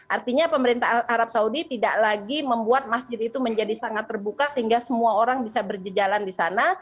artinya pemerintah arab saudi tidak lagi membuat masjid itu menjadi sangat terbuka sehingga semua orang bisa berjejalan di sana